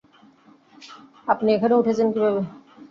আপনি এখানে উঠেছেন কীভাবে?